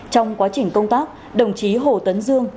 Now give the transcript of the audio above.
trong quá trình công tác đồng chí hồ tấn dương